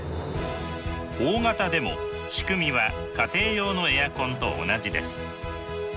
大型でもしくみは家庭用のエアコンと同じです。